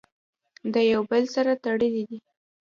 يو د بل سره تړلي دي!!.